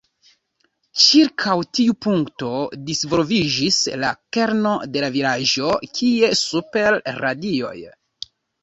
Ĉirkaŭ tiu punkto disvolviĝis la kerno de la vilaĝo kiel super radioj.